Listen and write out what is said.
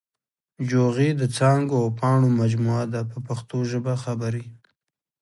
جوغې د څانګو او پاڼو مجموعه ده په پښتو ژبه خبرې.